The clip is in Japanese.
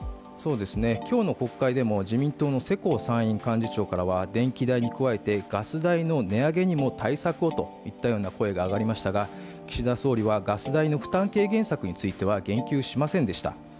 今日の国会でも自民党の世耕参院幹事長からは電気代に加えてガス代の値上げにも対策をといったような声が上がりましたが岸田総理はガス代の負担軽減策については言及しませんでした。